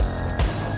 utama temen lo